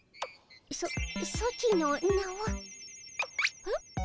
ソソチの名は？え？